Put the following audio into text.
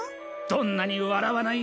どんなにわらわない